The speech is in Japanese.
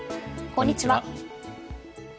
こんにちは。